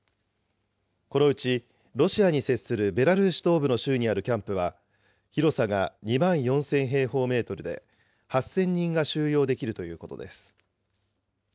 このうち、ロシアに接するベラルーシ東部の州にあるキャンプは、広さが２万４０００平方メートルで、８０００人が収容できるということです。